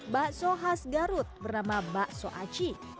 bakso khas garut bernama bakso aci